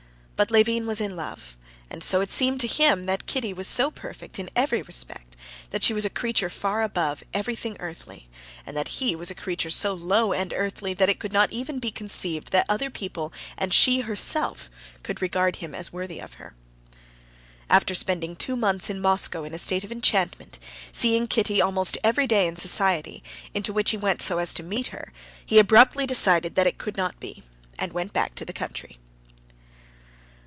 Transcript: But Levin was in love, and so it seemed to him that Kitty was so perfect in every respect that she was a creature far above everything earthly; and that he was a creature so low and so earthly that it could not even be conceived that other people and she herself could regard him as worthy of her. After spending two months in Moscow in a state of enchantment, seeing Kitty almost every day in society, into which he went so as to meet her, he abruptly decided that it could not be, and went back to the country.